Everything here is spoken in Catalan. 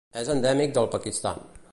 És endèmic del Pakistan.